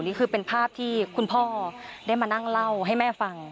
นี่คือเป็นภาพที่คุณพ่อได้มานั่งเล่าให้แม่ฟัง